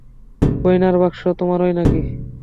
গয়নার বাক্স তোমারই নাকি?